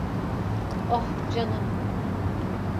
Oh, canım.